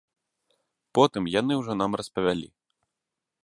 Потым яны ўжо нам распавялі.